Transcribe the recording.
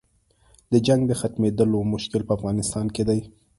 د جنګ د ختمېدلو مشکل په افغانستان کې دی.